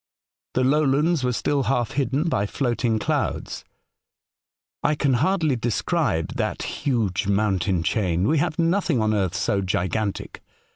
The lowlands were still half hidden by floating clouds. I can hardly describe that huge mountain chain. We have nothing on earth so gigantic.